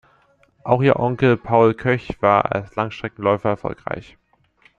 Auch ihr Onkel Paul Koech war als Langstreckenläufer erfolgreich.